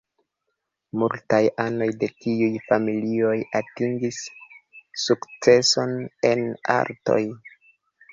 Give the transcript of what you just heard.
Multaj anoj de tiuj familioj atingis sukceson en artoj.